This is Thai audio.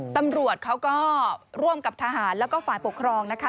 ตำรวจเขาก็ร่วมกับทหารแล้วก็ฝ่ายปกครองนะคะ